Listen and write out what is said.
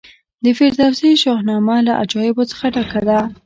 د فردوسي شاهنامه له عجایبو څخه ډکه ده.